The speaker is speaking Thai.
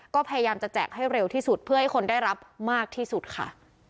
ก็พยายามจะแจกให้เร็วที่สุดเพื่อให้คนได้รับมากที่สุดค่ะ